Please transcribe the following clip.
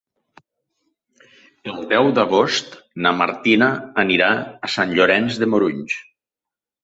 El deu d'agost na Martina anirà a Sant Llorenç de Morunys.